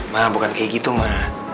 ma bukan kayak gitu ma